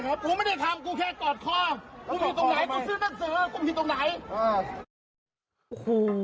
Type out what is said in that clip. กูมีตรงไหน